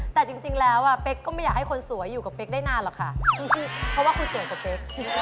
แต่จริงแล้วเป๊กก็ไม่อยากให้คนสวยอยู่กับเป๊กได้นานหรอกค่ะเพราะว่าคุณสวยกว่าเป๊ก